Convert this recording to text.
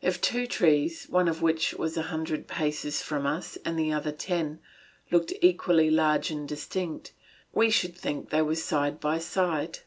If two trees, one of which was a hundred paces from us and the other ten, looked equally large and distinct, we should think they were side by side.